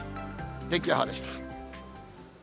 天気予報でした。